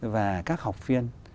và các học viên